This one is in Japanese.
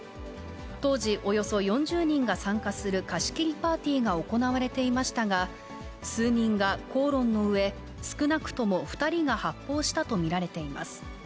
当時、およそ４０人が参加する貸し切りパーティーが行われていましたが、数人が口論のうえ、少なくとも２人が発砲したと見られています。